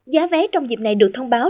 giá vé trong dịp này được thông báo